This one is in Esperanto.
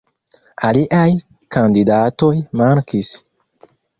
Aliaj kandidatoj mankis.